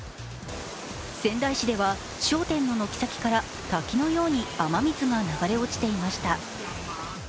仙台市では商店の軒先から滝のように雨水が流れ落ちていました。